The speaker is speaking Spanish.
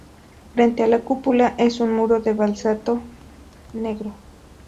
Frente a la cúpula es un muro de basalto negro.